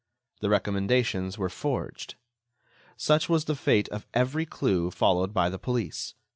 The recommendations were forged. Such was the fate of every clue followed by the police.